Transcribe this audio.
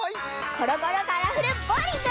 コロコロカラフルボウリング！